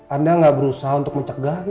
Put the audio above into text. anda enggak berusaha untuk mencegah gitu